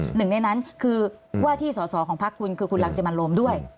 หนึ่งในนั้นคือว่าที่สอสอของพักคุณคือคุณรังสิมันโรมด้วย